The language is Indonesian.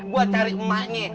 gua cari emaknya